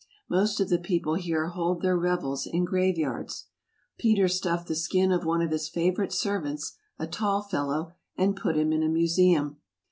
Most of the people here hold their revels in grave yards. Peter stuffed the skin of one of his favorite servants — a tall fellow — and put him in a museum.